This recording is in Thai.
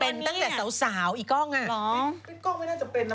เป็นกล้องไม่น่าจำเป็นนะ